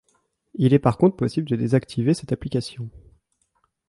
Il est par contre possible de désactiver cette application.